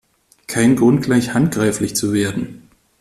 Kein Grund, gleich handgreiflich zu werden!